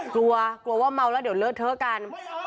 กลัวกลัวว่าเมาแล้วเดี๋ยวเลอะเทอะกัน